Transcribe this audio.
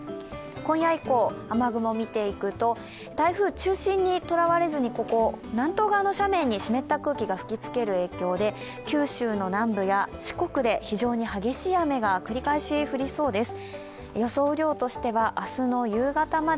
今夜以降、雨雲を見ていくと台風中心にとらわれずに、南東側の斜面に湿った空気が吹きつける影響で九州の南部や四国で非常に激しい雨が繰り返し降りそうです。